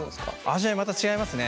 味わいまた違いますね。